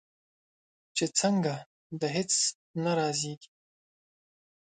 چې څنګه؟ د هیڅ نه رازیږې